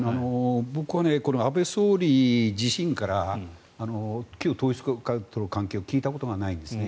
僕は安倍総理自身から旧統一教会との関係を聞いたことがないんですね。